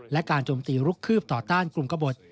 และการจมตีลุกคืบต่อต้านกลุ่มกระบด